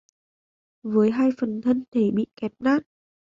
với hai phần thân thể bị kẹp nát